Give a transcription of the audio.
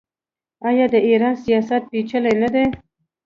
آیا د ایران سیاست پیچلی نه دی؟